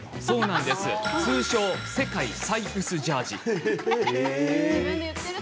通称、世界最薄ジャージ。